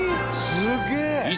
すげえ！